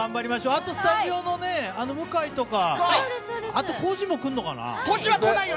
あとスタジオの向井とか、あとコジも来んのかな？